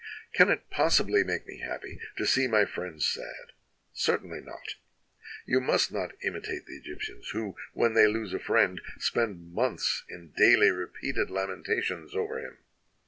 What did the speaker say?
Can it possibly make me happy to see my friends sad? Certainly not! You must not imitate the Egyptians, who, when they lose a friend, spend months in daily repeated lamentations over him.